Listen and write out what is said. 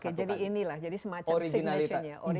oke jadi inilah jadi semacam signature nya